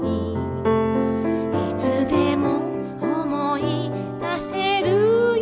「いつでも思い出せるよ」